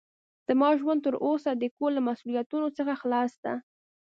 زما ژوند تر اوسه د کور له مسوؤليتونو څخه خلاص ده.